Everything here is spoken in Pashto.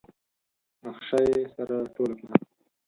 نخشه يې سره ټوله کړه.